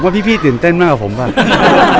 ผมว่าพี่ตื่นเต้นมากกว่าผมบ้าง